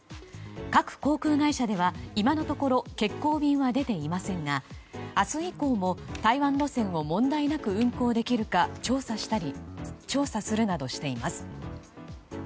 各航空会社では今のところ欠航便は出ていませんが、明日以降も台湾路線を問題なく運航できるか調査するなどしています。